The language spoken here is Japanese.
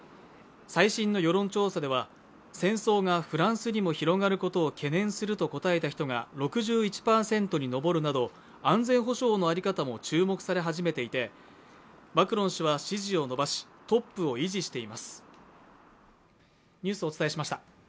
最新の世論調査では、戦争がフランスにも広がることを懸念すると答えた人が６１％に上るなど安全保障の在り方も注目され始めていてマクロン氏は、支持を伸ばしトップを維持しています。